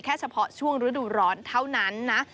เฉพาะช่วงฤดูร้อนเท่านั้นนะ